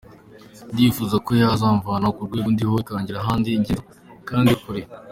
Ndifuza ko yazamvana ku rwego ndiho ikagira ahandi ingeza kandi kure.”